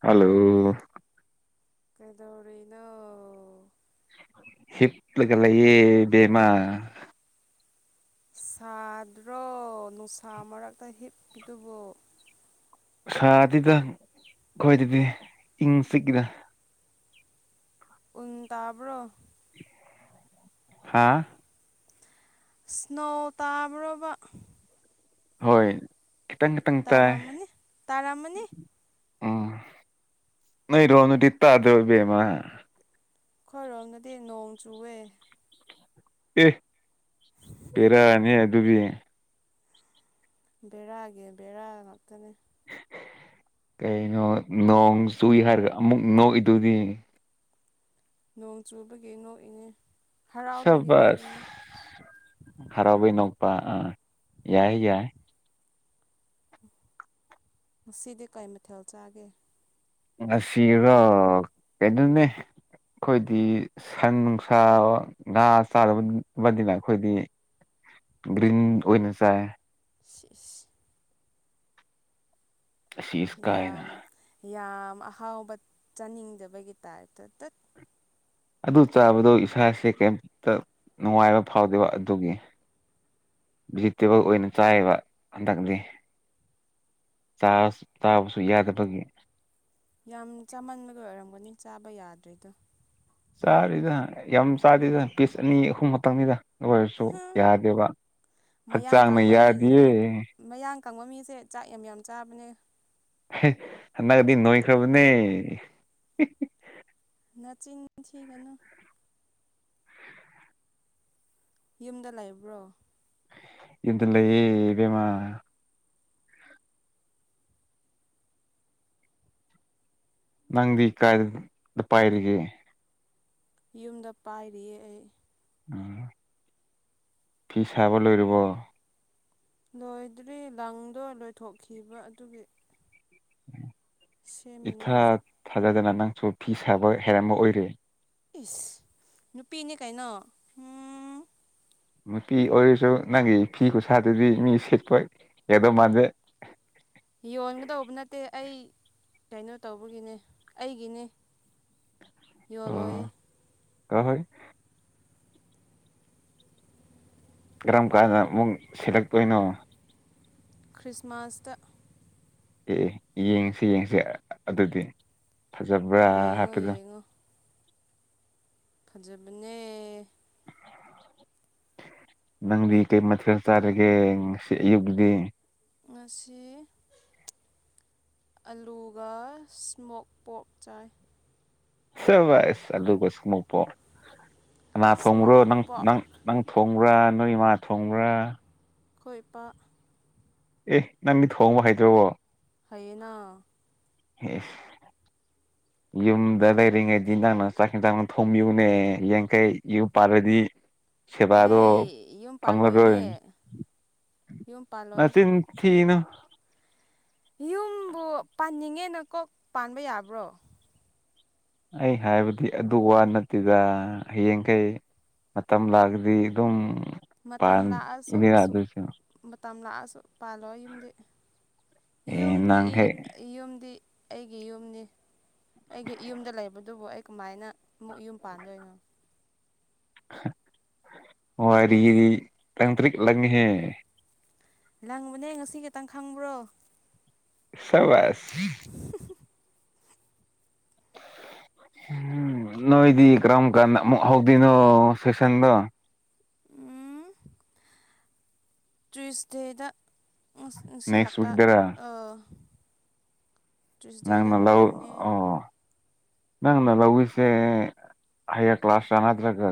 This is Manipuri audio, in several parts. ꯍꯜꯂꯣ ꯀꯩꯗꯧꯔꯤꯅ ꯍꯤꯞꯂꯒ ꯂꯩꯌꯦ ꯑꯩꯗꯤꯃꯥ ꯁꯥꯗ꯭ꯔꯣ ꯅꯨꯡꯁꯥ ꯃꯔꯛꯇ ꯍꯤꯞꯄꯤꯗꯨꯕꯨ ꯁꯥꯗꯨꯗ ꯑꯩꯈꯣꯏꯗꯗꯤ ꯏꯪ ꯆꯤꯛꯏꯔ ꯎꯟ ꯇꯥꯕ꯭ꯔꯣ ꯍꯥꯥ ꯁ꯭ꯅꯣ ꯇꯥꯕ꯭ꯔꯕ ꯍꯣꯏ ꯈꯤꯇꯪ ꯈꯤꯇꯪ ꯇꯥꯏ ꯇꯥꯔꯝꯃꯅꯤ ꯇꯥꯔꯝꯃꯅꯤ ꯎꯝ ꯅ ꯔꯣꯅ ꯇ ꯇꯗꯣꯕꯦꯃ ꯑꯩꯈꯣꯏꯔꯣꯝꯅꯗꯤ ꯅꯣꯡ ꯆꯨꯑꯦ ꯑꯦ ꯄꯕꯔꯅꯤ ꯑꯗꯨꯗꯨꯕꯤ ꯕꯦꯔꯥꯒꯤ ꯕꯦꯔꯥ ꯉꯥꯛꯇꯅꯦ ꯀꯩꯅꯣ ꯅꯣꯡ ꯆꯨꯏ ꯍꯥꯏꯔꯒ ꯑꯃꯨꯛ ꯅꯣꯛꯏꯗꯨꯗꯤ ꯅꯣꯡ ꯆꯨꯕꯒꯤ ꯅꯣꯛꯏꯅꯦ ꯍꯔꯥꯎꯕꯒꯤ ꯁꯕꯁ ꯅꯣꯛꯏꯅꯦ ꯍꯔꯥꯎꯩ ꯅꯣꯛꯄ ꯑꯥ ꯌꯥꯏ ꯌꯥꯏ ꯉꯁꯤꯗꯤ ꯀꯩ ꯃꯊꯦꯜ ꯆꯥꯒꯦ ꯉꯁꯤꯒ ꯀꯩꯗꯧꯅꯦ ꯑꯩꯈꯣꯏꯗꯤ ꯁꯟ ꯅꯨꯡꯁꯥ ꯉꯥ ꯆꯥꯔꯨꯕꯗꯤꯅ ꯑꯩꯈꯣꯏꯗꯤ ꯒ꯭ꯔꯤꯟ ꯑꯣꯏꯅ ꯆꯥꯏ ꯁꯤꯦꯁ ꯑꯁꯤ ꯏꯁꯀꯥꯏꯅ ꯌꯥꯝ ꯌꯥꯝ ꯑꯍꯥꯎꯕ ꯆꯥꯅꯤꯡꯗꯕꯒꯤ ꯇꯥꯏꯞꯇ ꯇꯠ ꯑꯗꯨ ꯆꯥꯕꯗꯣ ꯏꯁꯥꯁꯦ ꯀꯩꯝꯇ ꯅꯨꯡꯉꯥꯏꯕ ꯐꯥꯎꯗꯦꯕ ꯑꯗꯨꯒꯤ ꯚꯤꯖꯤꯇꯦꯕꯜ ꯑꯣꯏꯅ ꯆꯥꯏꯕ ꯍꯟꯗꯛꯇꯤ ꯇꯥꯕꯁꯨ ꯌꯥꯗꯕꯒꯤ ꯌꯥꯝ ꯆꯥꯃꯟꯕꯗ ꯑꯣꯏꯔꯝꯒꯅꯤ ꯆꯥꯕ ꯌꯥꯗ꯭ꯔꯦꯗꯣ ꯆꯥꯔꯤꯗ ꯌꯥꯝ ꯆꯥꯗꯦꯗ ꯄꯤꯁ ꯑꯅꯤ ꯑꯍꯨꯝ ꯃꯪꯅꯤꯗ ꯑꯣꯏꯔꯁꯨ ꯍꯝ ꯌꯥꯗꯦꯕ ꯃꯌꯥꯡ ꯍꯛꯆꯥꯡꯅ ꯀꯪꯕ ꯃꯤ ꯌꯥꯗꯌꯦ ꯃꯌꯥꯡ ꯀꯪꯕ ꯃꯤꯁꯦ ꯆꯥꯛ ꯌꯥꯝ ꯌꯥꯝ ꯆꯥꯕꯅꯦ ꯑꯗꯤ ꯅꯣꯏꯈꯕꯅꯦ ꯅꯆꯤꯟꯁꯤꯒꯅ ꯌꯨꯝꯗ ꯂꯩꯥꯛꯕ꯭ꯔꯣ ꯏꯗꯨ ꯂꯩꯌꯦꯕꯦꯝꯃ ꯅꯪꯗꯤ ꯀꯥꯏꯗ ꯄꯥꯏꯔꯤꯒꯦ ꯌꯨꯝꯗ ꯄꯥꯏꯔꯤꯌꯦ ꯑꯩ ꯐꯤ ꯆꯕ ꯂꯣꯏꯔꯔꯕ ꯂꯣꯏꯗ꯭ꯔꯤ ꯂꯪꯗꯣ ꯂꯣꯏꯊꯣꯛꯈꯤꯕ ꯑꯗꯨꯒꯤ ꯁꯦꯝꯃꯤꯅꯤ ꯏꯊꯥ ꯍꯧꯖꯤꯛ ꯊꯥꯖꯗꯅ ꯅꯪꯁꯨ ꯐꯤ ꯁꯥꯕ ꯍꯥꯏꯔꯝꯕ ꯑꯣꯏꯔꯦ ꯏꯁ ꯅꯨꯄꯤꯅꯦ ꯀꯩꯅꯣ ꯎꯝ ꯅꯨꯄꯤ ꯑꯣꯏꯔꯁꯨ ꯅꯪꯒꯤ ꯐꯤ ꯈꯨꯠꯁꯥꯗꯨꯗꯤ ꯃꯤ ꯁꯤꯦꯠꯄꯣꯏ ꯌꯦꯡꯗꯧ ꯃꯥꯟꯖꯩ ꯌꯣꯟꯒꯗꯧꯕ ꯅꯠꯇꯦ ꯑꯩ ꯀꯩꯅꯣ ꯇꯧꯕꯒꯤꯅꯦ ꯑꯩꯒꯤꯅꯦ ꯌꯍꯂꯣꯏ ꯑꯍꯣꯏ ꯀꯔꯝ ꯀꯥꯟꯗ ꯑꯃꯨꯛ ꯁꯤꯜꯂꯛꯇꯣꯏꯅꯣ ꯈ꯭ꯔꯤꯁꯃꯥꯁꯇ ꯑꯦ ꯌꯦꯡꯁꯤ ꯌꯦꯡꯁꯤ ꯑꯗꯨꯗꯤ ꯐꯖꯕ꯭ꯔꯥ ꯌꯦꯡꯉꯣ ꯍꯥꯏꯕꯗꯣ ꯈꯖꯕꯅꯦ ꯅꯪꯗꯤ ꯀꯩ ꯃꯊꯦꯜ ꯆꯥꯔꯒꯦ ꯉꯁꯤ ꯑꯌꯨꯛꯇꯗꯤ ꯉꯁꯤ ꯑꯂꯨꯒ ꯏꯁꯃꯣꯛ ꯄꯣꯞ ꯆꯥꯏ ꯁ ꯁ ꯀꯁ ꯀꯨꯝꯃꯄꯣꯅꯥ ꯏꯁꯃꯣꯛ ꯊꯣꯡꯈ꯭ꯔꯣ ꯅꯪ ꯄꯣꯛ ꯅꯪ ꯅꯪ ꯊꯣꯡꯕ꯭ꯔꯥ ꯅꯣꯏ ꯏꯃꯥ ꯊꯣꯡꯕ꯭ꯔꯥ ꯈꯣꯏ ꯄ ꯑꯦ ꯅꯪ ꯃꯤ ꯊꯣꯡꯕ ꯍꯥꯏꯗ꯭ꯔꯣꯕꯣ ꯍꯥꯏꯩꯅ ꯍ ꯌꯨꯝꯗ ꯂꯩꯔꯤꯉꯩꯗꯤ ꯅꯪꯅ ꯆꯥꯛꯁꯤꯦꯟ ꯆꯥꯛ ꯊꯣꯝꯃꯤꯎꯅꯦ ꯌꯥꯡꯈꯩ ꯌꯨꯝ ꯄꯥꯜꯂꯗꯤ ꯍꯦ ꯁꯦꯕꯥꯗꯣ ꯌꯨꯝ ꯐꯪꯂꯔꯣꯏ ꯄꯥꯜꯂꯣꯏꯅꯦ ꯌꯨꯝ ꯄꯥꯜꯂꯣꯏ ꯊꯅ ꯌꯨꯝꯕꯨ ꯄꯥꯟꯅꯤꯡꯉꯦꯅ ꯀꯣꯛ ꯄꯥꯟꯕ ꯌꯥꯕ꯭ꯔꯣ ꯑꯩ ꯍꯥꯏꯕꯗꯤ ꯑꯗꯨ ꯋꯥ ꯅꯠꯇꯦꯗ ꯍꯌꯦꯡꯈꯩ ꯃꯇꯝ ꯂꯥꯛꯑꯒꯗꯤ ꯑꯗꯨꯝ ꯃꯇꯝ ꯂꯥꯛꯑꯁꯨ ꯄꯥꯟꯒꯅꯤꯅ ꯁꯨ ꯑꯗꯨꯁꯨ ꯃꯇꯝ ꯂꯥꯛꯑꯁꯨ ꯄꯥꯜꯂꯣ ꯌꯨꯝꯗꯤ ꯑꯦ ꯌꯨꯝꯗꯤ ꯅꯪ ꯍꯦꯛ ꯌꯨꯝꯗꯤ ꯑꯩꯒꯤ ꯌꯨꯝꯅꯤ ꯑꯩꯒꯤ ꯌꯨꯝꯗ ꯂꯩꯕꯗꯨꯕꯨ ꯑꯩ ꯀꯃꯥꯏꯅ ꯑꯃꯨꯛ ꯌꯨꯝ ꯄꯥꯟꯗꯣꯏꯅꯣ ꯋꯥꯔꯤꯗꯤ ꯇꯪ ꯇꯔꯤꯛ ꯂꯪꯍꯦ ꯂꯪꯕꯅꯦ ꯉꯁꯤ ꯈꯤꯇꯪ ꯈꯪꯕ꯭ꯔꯣ ꯁꯁ ꯎꯝ ꯅꯣꯏꯗꯤ ꯏ ꯀ꯭ꯔꯝ ꯀꯥꯟ ꯍꯗꯅꯣ ꯁꯦꯁꯟꯗ ꯎꯝ ꯇ꯭ꯋꯤꯁꯗꯦꯗ ꯉꯁꯤ ꯅꯦꯛꯁ ꯍꯞꯇꯥ ꯋꯤꯛꯇꯔꯥ ꯇ꯭ꯌꯨꯁꯗꯦꯗ ꯅꯪꯅ ꯂꯧ ꯍꯧꯔꯅꯤ ꯑꯣ ꯅꯪꯅ ꯂꯧꯏꯁꯦ ꯍꯥꯏꯌꯥꯔ ꯀ꯭ꯂꯥꯁꯔ ꯅꯠꯇ꯭ꯔꯒ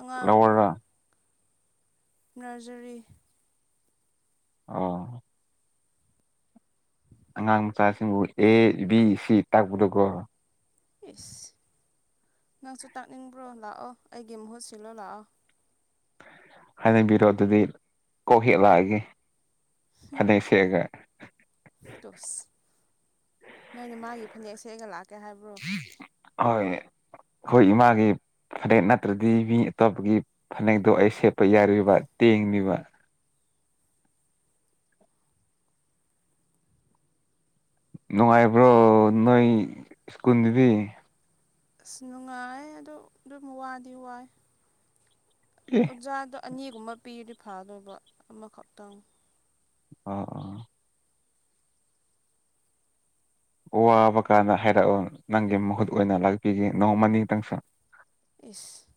ꯑꯉꯥꯡ ꯂꯋꯔꯒ ꯔꯖꯔꯤ ꯑꯣ ꯑꯉꯥꯡ ꯃꯆꯥꯁꯤꯡꯕꯨ ꯑꯦ ꯕꯤ ꯁꯤ ꯇꯥꯛꯄꯗꯀꯣ ꯑꯦꯁ ꯅꯪꯁꯨ ꯇꯥꯛꯅꯤꯡꯕ꯭ꯔꯣ ꯂꯥꯛꯑꯣ ꯑꯩꯒꯤ ꯃꯍꯨꯠ ꯁꯤꯜꯂꯣ ꯂꯥꯛꯑꯣ ꯍꯥꯏꯅꯤꯡꯕꯤꯔꯣ ꯑꯗꯨꯗꯤ ꯀꯧ ꯍꯦꯛꯂꯛꯑꯒꯦ ꯐꯅꯦꯛ ꯁꯦꯑꯒ ꯇꯣꯁ ꯅꯣꯏꯅ ꯃꯥꯒꯤ ꯐꯅꯦꯛ ꯁꯦꯑꯒ ꯂꯥꯛꯀꯦ ꯍꯥꯏꯕ꯭ꯔꯣ ꯍꯣꯏ ꯑꯩꯈꯣꯏ ꯏꯃꯥꯒꯤ ꯐꯅꯦꯛ ꯅꯠꯇ꯭ꯔꯗꯤ ꯃꯤ ꯑꯇꯣꯞꯄꯒꯤ ꯐꯅꯦꯛꯇꯣ ꯑꯩ ꯁꯦꯠꯄ ꯌꯥꯔꯤꯕ ꯇꯦꯡꯅꯦꯕ ꯅꯨꯡꯉꯥꯏꯕ꯭ꯔꯣ ꯅꯣꯏ ꯁ꯭ꯀꯨꯜꯗꯨꯗꯤ ꯑꯁ ꯅꯨꯡꯉꯥꯏ ꯑꯗꯨ ꯑꯗꯨꯝ ꯋꯥꯗꯤ ꯋꯥꯏ ꯑꯦ ꯑꯣꯖꯥꯗꯣ ꯑꯅꯤꯒꯨꯝꯕ ꯄꯤꯔꯗꯤ ꯐꯗꯣꯏꯕ ꯑꯃꯈꯛꯇꯪ ꯑꯣ ꯑ ꯋꯥꯕ ꯀꯥꯟꯗ ꯍꯥꯏꯔꯛꯑꯣ ꯅꯪꯒꯤ ꯃꯍꯨꯠ ꯑꯣꯏꯅ ꯂꯥꯛꯄꯤꯒꯦ ꯅꯣꯡ ꯃꯅꯤꯡꯇꯪꯁꯨ ꯏꯁ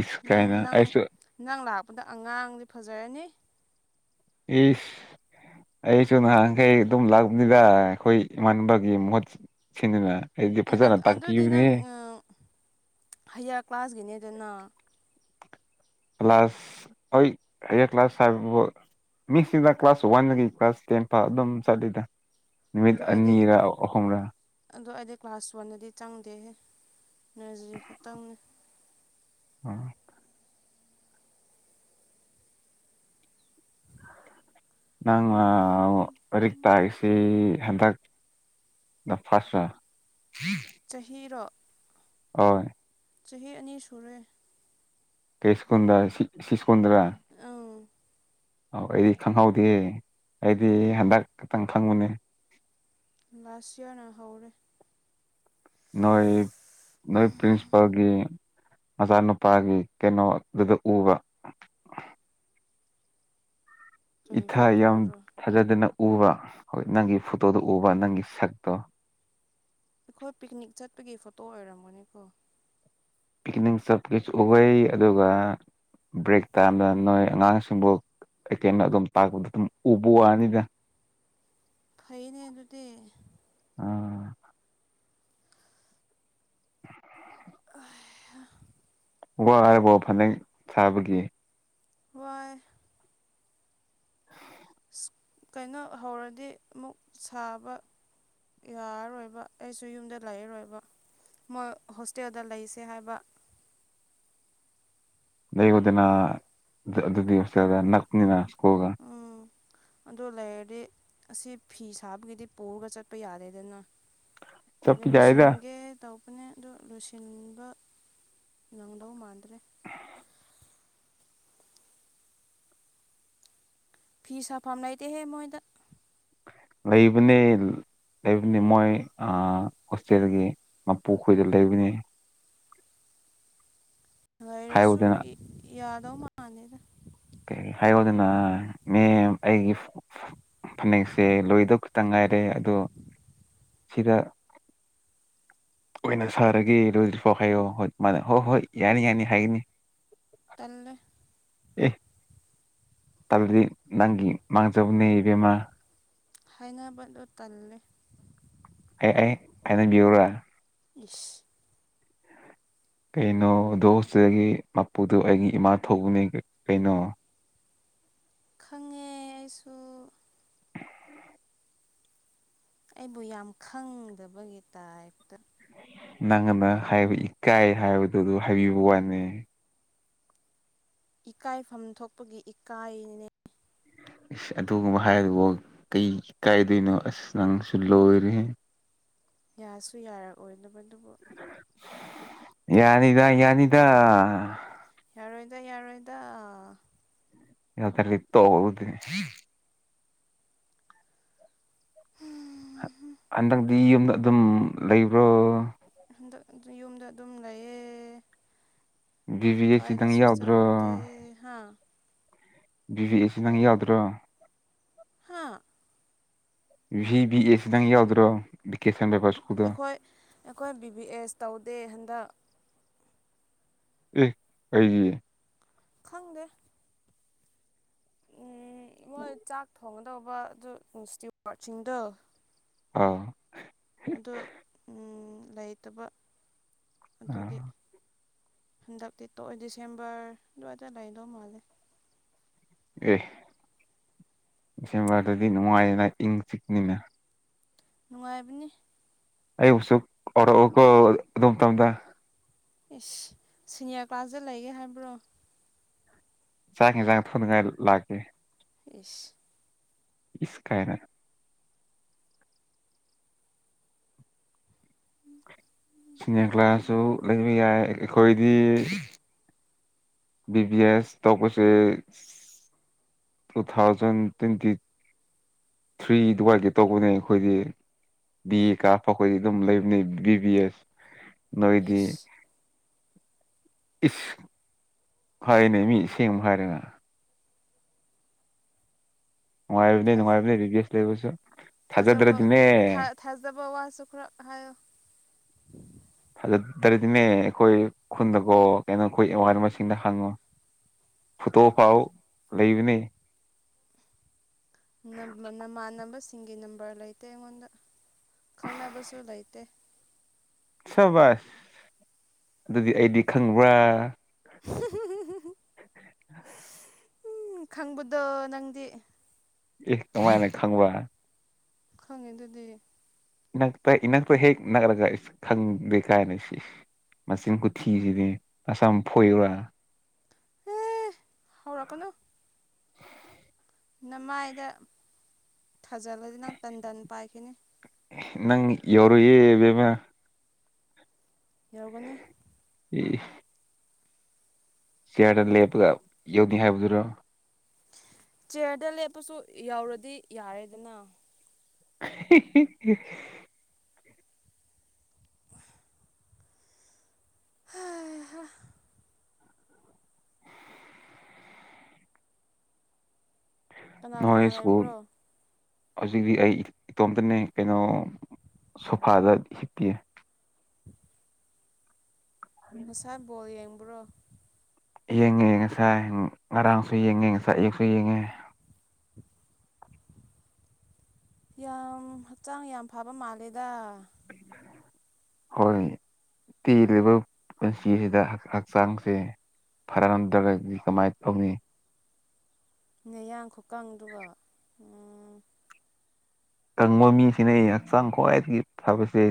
ꯏꯁ ꯅꯪ ꯀꯥꯏꯅ ꯅꯪ ꯑꯩꯁꯨ ꯅꯪ ꯂꯥꯛꯄꯗ ꯑꯉꯥꯡꯗꯤ ꯐꯖꯔꯅꯤ ꯏ ꯑꯩꯁꯨ ꯅꯍꯥꯟꯈꯩ ꯑꯗꯨꯝ ꯂꯥꯛꯄꯅꯤꯗ ꯑꯩꯈꯣꯏ ꯏꯃꯥꯟꯅꯕꯒꯤ ꯃꯍꯨꯠ ꯁꯤꯅꯤꯅ ꯑꯩꯗꯤ ꯐꯖꯅ ꯑꯗꯨꯗꯤ ꯇꯥꯛꯄꯤꯌꯨꯅꯦ ꯅꯪ ꯍꯌꯥꯔ ꯀ꯭ꯂꯥꯁꯀꯤꯅꯦꯗꯅ ꯀ꯭ꯂꯥꯁ ꯑꯩ ꯀ꯭ꯂꯥꯁ ꯐꯥꯏꯕꯕ ꯃꯤꯁꯁꯤꯗ ꯀ꯭ꯂꯥꯁ ꯋꯥꯟꯗꯒꯤ ꯀ꯭ꯂꯥꯁ ꯇꯦꯟ ꯐ ꯑꯗꯨꯝ ꯆꯠꯂꯤꯗ ꯅꯨꯃꯤꯠ ꯑꯗꯣ ꯑꯩꯗꯤ ꯑꯅꯤꯔꯥ ꯑꯍꯨꯝꯔ ꯑꯗꯣ ꯑꯩꯗꯤ ꯀ꯭ꯂꯥꯁ ꯋꯥꯟꯗꯗꯤ ꯆꯪꯗꯦꯍ ꯅꯔꯖꯔꯤ ꯈꯛꯇꯪꯅꯦ ꯎꯝ ꯅ ꯂꯥꯏꯔꯤꯛ ꯇꯥꯏꯁꯤ ꯍꯟꯗꯛ ꯗ ꯐꯥꯔꯁ ꯑꯣꯏꯅ ꯆꯔꯣ ꯍꯣꯏ ꯆꯍꯤ ꯑꯅꯤ ꯁꯨꯔꯦ ꯀꯁꯀꯗ꯭ꯔ ꯁꯤ ꯁꯤꯁꯗ꯭ꯔ ꯑꯪ ꯑꯧ ꯑꯩꯗꯤ ꯈꯪꯍꯧꯗꯦ ꯑꯩꯗꯤ ꯍꯟꯗꯛ ꯈꯛꯇꯪ ꯈꯪꯕꯨꯅꯦ ꯂꯁꯤꯌꯥꯅ ꯍꯧꯔꯦ ꯅꯣꯏ ꯅꯣꯏ ꯄ꯭ꯔꯤꯟꯁꯤꯄꯥꯜꯒꯤ ꯃꯆꯥꯅꯨꯄꯥꯒꯤ ꯀꯩꯅꯣꯗꯨꯗ ꯎꯕ ꯀꯩ ꯏꯊ ꯌꯥꯝ ꯐꯣꯇꯣꯔꯣ ꯊꯥꯖꯗꯅ ꯎꯕ ꯍꯣꯏ ꯅꯪꯒꯤ ꯐꯣꯇꯣꯗꯣ ꯎꯕ ꯅꯪꯒꯤ ꯁꯛꯇꯣ ꯑꯩꯈꯣꯏ ꯄꯤꯛꯅꯤꯛ ꯆꯠꯄꯒꯤ ꯐꯣꯇꯣ ꯑꯣꯏꯔꯝꯒꯅꯤ ꯀꯣ ꯄꯤꯛꯅꯤꯡ ꯁꯞ ꯀꯁꯨ ꯎꯩ ꯑꯗꯨꯒ ꯕ꯭ꯔꯦꯛ ꯇꯥꯝꯗ ꯅꯣꯏ ꯑꯉꯥꯡꯁꯤꯡꯕꯨ ꯑꯩꯀꯩꯅꯩꯅ ꯑꯗꯨꯝ ꯇꯥꯛꯄꯗ ꯑꯗꯨꯝ ꯎꯕ ꯋꯥꯅꯤꯗ ꯐꯩꯅꯦ ꯑꯗꯨꯗꯤ ꯑꯥ [inaudible] [unintelligible] ꯋꯥ ꯍꯥꯏꯕꯣ ꯐꯅꯦꯛ ꯁꯥꯥꯕꯒꯤ ꯋꯥꯏ [inaudible] ꯀꯩꯅꯣ ꯍꯧꯔꯗꯤ ꯑꯃꯨꯛ ꯁꯥꯕ ꯌꯥꯔꯔꯣꯏꯕ ꯑꯩꯁꯨ ꯌꯨꯝꯗ ꯂꯥꯛꯔꯔꯣꯏꯕ ꯃꯣꯏ ꯍꯣꯁꯇꯦꯜꯗ ꯂꯩꯁꯦ ꯍꯥꯏꯕ ꯂꯩꯌꯨꯗꯅ ꯑꯗꯨ ꯑꯗꯨꯗꯤ ꯍꯣꯁꯇꯦꯜꯗ ꯅꯛꯄꯅꯤꯅꯥ ꯁ꯭ꯀꯨꯜꯒ ꯎꯝ ꯑꯗꯣ ꯂꯩꯔꯗꯤ ꯑꯁꯤ ꯐꯤ ꯁꯥꯕꯒꯤꯗꯤ ꯄꯨꯔꯒ ꯆꯠꯄ ꯌꯥꯔꯦꯗꯅ ꯑꯗꯨꯒꯤ ꯆꯠꯄ ꯌꯥꯏꯗ ꯂꯣꯏꯁꯤꯟꯒꯦ ꯇꯧꯕꯅꯦ ꯑꯗꯨ ꯂꯣꯏꯁꯤꯟꯕ ꯅꯪꯗꯧ ꯃꯥꯟꯗ꯭ꯔꯦ ꯐꯤ ꯁꯥꯐꯝ ꯂꯩꯇꯦꯍꯦ ꯃꯣꯏꯗ ꯂꯩꯕꯅꯦꯜ ꯂꯩꯕꯅꯦ ꯃꯣꯏ ꯑ ꯍꯣꯁꯇꯦꯜꯒꯤ ꯃꯄꯨꯈꯣꯏꯗ ꯂꯩꯕꯅꯤ ꯂꯩꯔꯁꯨ ꯍꯥꯏꯌꯣꯗꯅ ꯏ ꯌꯥꯗꯧ ꯃꯥꯟꯗꯦꯗ ꯍꯥꯏꯌꯣꯗꯅ ꯃꯦꯝ ꯑꯩꯒꯤ ꯐꯅꯦꯛꯁꯦ ꯂꯣꯏꯗꯧ ꯈꯤꯇ ꯉꯥꯏꯔꯦ ꯑꯗꯣ ꯁꯤꯗ ꯑꯣꯏꯅ ꯁꯥꯔꯒꯦ ꯂꯣꯗ꯭ꯔꯤꯐꯥꯎ ꯍꯥꯏꯌꯣ ꯍꯣꯏ ꯃꯥ ꯍꯣꯏ ꯍꯣꯏ ꯌꯥꯅꯤ ꯌꯥꯅꯤ ꯍꯥꯏꯒꯅꯤ ꯇꯜꯂꯦ ꯑꯦ ꯇꯜꯂꯗꯤ ꯅꯪꯒꯤ ꯃꯥꯡꯖꯕꯅꯦ ꯏꯕꯦꯝꯃꯥ ꯍꯥꯏꯅꯕꯗꯨ ꯇꯜꯂꯦ ꯑꯦ ꯑꯩ ꯍꯥꯏꯅꯕꯤꯎꯔ ꯏꯁ ꯀꯩꯅꯣ ꯑꯗꯣ ꯍꯣꯁꯇꯦꯜꯒꯤ ꯃꯄꯨꯗꯣ ꯑꯩꯒꯤ ꯏꯃꯥ ꯊꯣꯛꯄꯅꯦ ꯀꯩꯅꯣ ꯈꯪꯉꯦ ꯑꯩꯁꯨ ꯑꯩꯕꯨ ꯌꯥꯝ ꯈꯪꯗꯕꯒꯤ ꯇꯥꯏꯞꯇ ꯅꯪꯑꯃ ꯍꯥꯏꯕ ꯏꯀꯥꯏ ꯍꯥꯏꯕꯗꯨꯗ ꯍꯥꯏꯕꯤꯕ ꯋꯥꯅꯤ ꯏꯀꯥꯏꯐꯝ ꯊꯣꯛꯄꯒꯤ ꯏꯀꯥꯏꯅꯤꯅꯦ ꯏꯁ ꯑꯗꯨꯒꯨꯝꯕ ꯍꯥꯏꯕꯕꯨ ꯀꯩꯒꯤ ꯏꯀꯥꯏꯗꯣꯏꯅꯣ ꯑꯁ ꯅꯪꯁꯨ ꯂꯣꯏꯔꯦꯍꯦ ꯌꯥꯁꯨ ꯌꯥꯔꯛꯑꯣꯏꯗꯕꯗꯨꯕꯨ ꯌꯥꯅꯤꯗ ꯌꯥꯅꯤꯗ ꯌꯥꯔꯣꯏꯗ ꯌꯥꯔꯣꯏꯗ [unintelligible] ꯍꯨꯝ ꯍꯨꯝ ꯍꯟꯗꯛꯗꯤ ꯌꯨꯝꯗ ꯑꯗꯨꯝ ꯂꯩꯕ꯭ꯔꯣ ꯍꯟꯗꯛꯗꯤ ꯌꯨꯝꯗ ꯑꯗꯨꯝ ꯂꯩꯌꯦ ꯕꯤꯕꯤꯑꯦꯛ ꯈꯤꯗꯪ ꯌꯥꯎꯗ꯭ꯔꯣ ꯑꯦ ꯍꯥꯥ ꯕꯤ ꯕꯤ ꯑꯦꯁꯤ ꯅꯪ ꯌꯥꯗ꯭ꯔꯣ ꯍꯥꯥ ꯚꯤ ꯕꯤ ꯑꯦ ꯁꯤ ꯅꯪ ꯌꯥꯎꯗ꯭ꯔꯣ ꯚꯤꯀꯦꯁꯟ ꯂꯣꯏꯕ ꯁ꯭ꯀꯨꯜꯗꯣ ꯑꯩꯈꯣꯏ ꯑꯩꯈꯣꯏ ꯕꯤ ꯕꯤ ꯑꯦꯁ ꯇꯧꯗꯦ ꯍꯟꯗꯛ ꯑꯦ ꯀꯩꯒꯤ ꯈꯪꯗꯦ ꯎꯝ ꯃꯣꯏ ꯆꯥꯛ ꯊꯣꯡꯒꯗꯧꯕ ꯑꯗꯨ ꯏꯟꯁꯇ꯭ꯌꯨ ꯋꯥꯠꯁꯤꯡꯗꯣ ꯑꯥ ꯑꯣ ꯂꯩꯇꯕ ꯑꯗꯨꯒꯤ ꯑꯥ ꯍꯟꯗꯛꯇꯤ ꯇꯣꯛꯑꯦ ꯗꯤꯁꯦꯝꯕꯔ ꯑꯗꯨꯋꯥꯏꯗ ꯂꯩꯗꯧ ꯃꯥꯜꯂꯦ ꯑꯦ ꯗꯤꯁꯦꯝꯕꯔꯗꯗꯤ ꯅꯨꯡꯉꯥꯏꯌꯦꯅ ꯏꯪ ꯆꯤꯛꯅꯤꯅ ꯅꯨꯡꯉꯥꯏꯕꯅꯤ ꯑꯩ ꯎꯁꯨꯔ ꯑꯗꯨꯝ ꯇꯝꯗ ꯑꯦꯁ ꯁꯤꯅꯤꯌꯔ ꯀ꯭ꯂꯥꯁꯗ ꯂꯩꯒꯦ ꯍꯥꯏꯕ꯭ꯔꯣ ꯆꯥꯡꯦ ꯆꯥꯡ ꯊꯣꯏꯅꯉꯥꯏ ꯂꯥꯛꯒꯦ ꯏꯁ ꯏꯁꯀꯥꯏꯔ ꯁꯤꯅꯤ ꯀ꯭ꯂꯥꯁꯁꯨ ꯂꯩꯕ ꯌꯥꯏ ꯑꯩꯈꯣꯏꯗꯤ ꯕꯤ ꯕꯤ ꯑꯦꯁ ꯇꯧꯕꯁꯦ ꯇꯨ ꯊꯥꯎꯖꯟ ꯇ꯭ꯋꯦꯟꯇꯤ ꯊ꯭ꯔꯤ ꯑꯗꯨꯋꯥꯏꯒꯤ ꯇꯧꯕꯅꯦ ꯑꯩꯈꯣꯏꯗꯤ ꯕꯤ ꯑꯦ ꯀꯥꯞꯄ ꯑꯩꯈꯣꯏꯗꯤ ꯑꯗꯨꯝ ꯂꯩꯕꯅꯤ ꯕꯤ ꯕꯤ ꯑꯦꯁ ꯅꯣꯏꯗꯤ ꯏꯁ ꯏ ꯐꯥꯏꯅ ꯃꯤ ꯁꯦꯡ ꯐꯩꯔꯉꯥ ꯅꯨꯡꯉꯥꯏꯅꯦ ꯅꯅꯨꯡꯉꯥꯏꯅꯦ ꯕꯤꯁ ꯂꯁ ꯊꯥꯖꯕ ꯊꯖꯔꯗꯔꯗꯤꯅꯦ ꯊꯥꯖꯕ ꯋꯥꯁꯨ ꯈꯔ ꯍꯥꯏꯌꯣ ꯐꯖꯗ꯭ꯔꯗꯤꯅꯦ ꯑꯩꯈꯣꯏ ꯈꯨꯟꯗꯀꯣ ꯀꯩꯅꯣ ꯑꯩꯈꯣꯏ ꯑꯋꯥꯅꯕꯁꯤꯡꯗ ꯍꯪꯉꯣ [unintelligible] ꯐꯣꯇꯣ ꯐꯥꯎ ꯂꯩꯕꯅꯤ ꯅꯃꯥꯟꯅꯕꯁꯤꯡꯒꯤ ꯅꯝꯕꯔ ꯂꯩꯇꯦ ꯑꯩꯉꯣꯟꯗ ꯈꯪꯅꯕꯁꯨ ꯂꯩꯇꯦ ꯁ ꯁ ꯑꯗꯨꯗꯤ ꯑꯩꯗꯤ ꯈꯪꯕ꯭ꯔꯥ ꯍ ꯎꯝ ꯈꯪꯕꯗꯣ ꯅꯪꯗꯤ ꯑꯦ ꯀꯃꯥꯏꯅ ꯈꯪꯕ ꯈꯪꯉꯦ ꯑꯗꯨꯗꯤ ꯏꯅ ꯇ ꯏꯅ ꯇ ꯍꯦꯛ ꯅ꯭ꯔꯒ ꯈꯪꯕꯅꯤꯁꯤ ꯃꯆꯤꯟ ꯀꯨꯊꯤꯁꯤꯗꯤ ꯑꯁꯝ ꯐꯣꯏꯔꯥ ꯍꯧꯔꯛꯀꯅꯥꯣ ꯅꯃꯥꯏꯗ ꯊꯥꯖꯤꯜꯂꯗꯤ ꯅꯪ ꯇꯟ ꯇꯟ ꯄꯥꯏꯈꯤꯅꯤ ꯅꯪ ꯌꯎꯔ ꯌꯦꯕꯦꯝꯕ ꯌꯥꯎꯒꯅꯤ ꯑꯦ ꯆꯤꯌꯥꯔꯗ ꯂꯦꯞꯄꯒ ꯌꯧꯗ ꯍꯥꯏꯕꯗꯨꯔꯣ ꯆꯤꯌꯔꯗ ꯂꯦꯞꯄꯁꯨ ꯌꯧꯔꯗꯤ ꯌꯥꯔꯦꯗꯅ [unintelligible] ꯍꯥꯝ ꯍꯥꯏꯍ ꯀꯅꯥ ꯅꯣꯏ ꯀꯅꯥ ꯏꯁꯀꯨꯜ ꯂꯩꯕ꯭ꯔꯣ ꯍꯧꯖꯤꯛꯇꯤ ꯑꯩ ꯏꯇꯣꯝꯇꯅꯦ ꯀꯩꯅꯣ ꯁꯣꯐꯥꯗ ꯍꯤꯞꯇꯦ [unintelligible] ꯃꯁꯥ ꯕꯣꯜ ꯌꯦꯡꯕ꯭ꯔꯣ ꯌꯦꯡꯉꯦ ꯉꯁꯥꯏ ꯉꯔꯥꯡꯁꯨ ꯌꯦꯡꯉꯦ ꯉꯁꯥꯏ ꯑꯛꯁꯨ ꯌꯦꯡꯉꯦ [inaudible] ꯌꯥꯝ ꯍꯛꯆꯥꯡ ꯌꯥꯝ ꯐꯕ ꯃꯥꯜꯂꯦꯗ ꯍꯣꯏ ꯇꯦꯜꯂꯤꯕ ꯄꯨꯟꯁꯤꯁꯤꯗ ꯍꯛꯆꯥꯡꯁꯦ ꯐꯔꯍꯟꯗ꯭ꯔꯒꯗꯤ ꯀꯃꯥꯏꯅ ꯇꯧꯅꯤ ꯅꯌꯥꯡ ꯈꯨꯀꯪꯗꯨꯒ ꯎ ꯀꯪꯕ ꯃꯤꯁꯤꯅ ꯑꯩ ꯍꯛꯆꯥꯡ ꯈ꯭ꯋꯥꯏꯗꯒꯤ ꯐꯕꯁꯦ